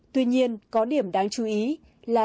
tuy nhiên có điểm đáng chú ý là